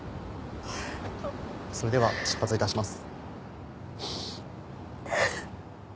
それでは出発致します。